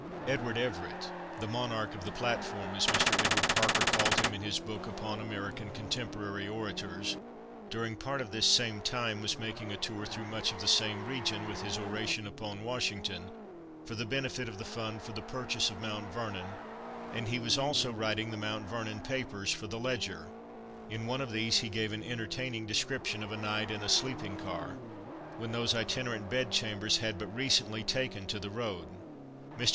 Edward Everett, "the monarch of the platform," as Mr. Edward Parker called him in his book upon American contemporary orators, during part of this same time was making a tour through much of the same region with his oration upon Washington, for the benefit of the fund for the purchase of Mount Vernon, and he was also writing the Mount Vernon papers for the Ledger, in one of which he gave an entertaining description of a night in a sleeping car, when those itinerant bedchambers had but recently taken to the road. Mr.